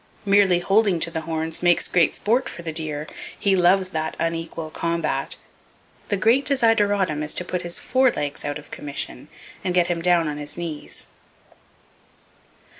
Merely holding to the horns makes great sport for the deer. He loves that unequal combat. The great desideratum is to put his fore legs out of commission, and get him down on his knees.